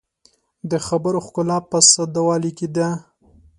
د خبرو ښکلا په ساده والي کې ده